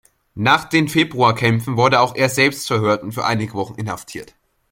Nach den Februarkämpfen wurde auch er selbst verhört und für einige Wochen inhaftiert.